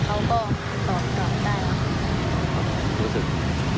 แต่ว่าเขาส่งหยุดหมายไปได้ไม่ทันเลยเขาก็ตอบกลับได้แล้ว